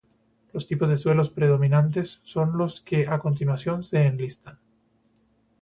Los tipos de suelos predominantes son los que a continuación se enlistan.